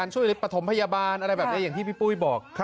ช่วยประถมพยาบาลอะไรแบบนี้อย่างที่พี่ปุ้ยบอก